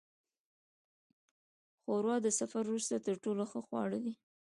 ښوروا د سفر وروسته تر ټولو ښه خواړه ده.